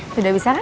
sudah bisa kan